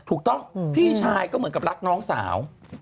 ถูกต้องพี่ชายก็เหมือนกับรักน้องสาว